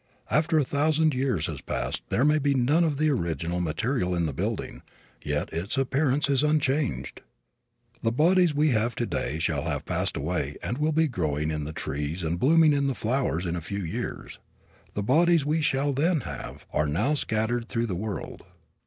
After a thousand years has passed there may be none of the original material in the building, yet its appearance is unchanged. The bodies we have today shall have passed away and will be growing in the trees and blooming in the flowers in a few years. The bodies we shall then have are now scattered through the world.